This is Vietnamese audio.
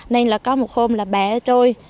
nên là có một hôm là bè trôi